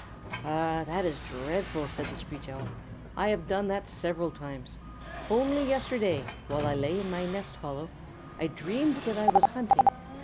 "Ah, that is dreadful," said the Screech Owl. "I have done that several times. Only yesterday, while I lay in my nest hollow, I dreamed that I was hunting.